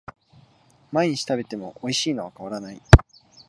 毎日食べてもおいしいのは変わらない